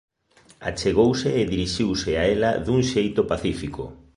Achegouse e dirixiuse a ela dun xeito pacífico.